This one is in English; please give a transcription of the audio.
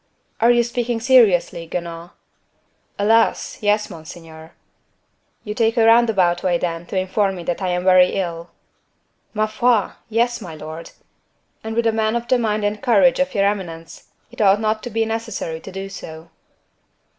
"Are you speaking seriously, Guenaud?" "Alas! yes, monseigneur." "You take a roundabout way, then, to inform me that I am very ill?" "Ma foi! yes, my lord, and with a man of the mind and courage of your eminence, it ought not to be necessary to do so."